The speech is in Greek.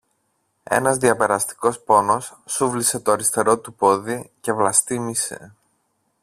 Ένας διαπεραστικός πόνος σούβλισε το αριστερό του πόδι και βλαστήμησε